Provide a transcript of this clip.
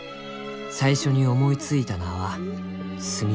「最初に思いついた名は『スミレ』。